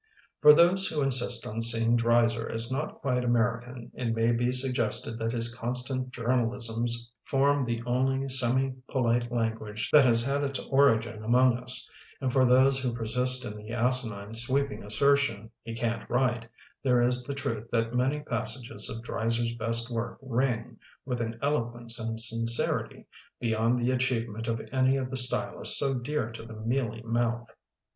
For those who insist on seeing Dreiser as not quite American it may be suggested that his constant "jour nalisms'* form the only semi polite language that has had its origin among us, and for those who persist in the asinine sweeping assertion, "He can't write", there is the truth that many passages of Dreiser's best work ring with an eloquence and sin cerity beyond the achievement of any of the stylists so dear to the mealy mouth.